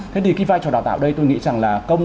thế thì cái vai trò đào tạo ở đây tôi nghĩ rằng là công